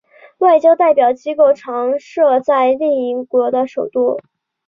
外交代表机构通常设在另一国的首都。